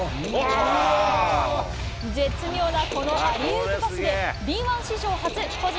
絶妙なこのアリウープパスで、Ｂ１史上初個人